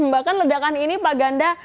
bahkan ledakan ini pak ganda